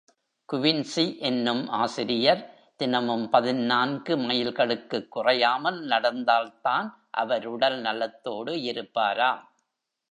Quincy என்னும் ஆசிரியர் தினமும் பதினான்கு மைல்களுக்குக் குறையாமல் நடந்தால்தான் அவர் உடல் நலத்தோடு இருப்பாராம்.